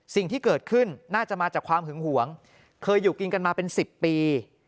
สิ่งที่เกิดขึ้นน่าจะมาจากความหึงหวงเคยอยู่กินกันมาเป็น๑๐ปี